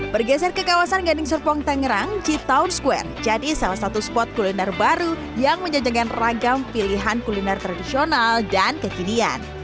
bergeser ke kawasan gading serpong tangerang ciptown square jadi salah satu spot kuliner baru yang menjajakan ragam pilihan kuliner tradisional dan kekinian